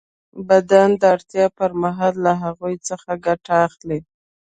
بدن د اړتیا پر مهال له هغوی څخه ګټه اخلي.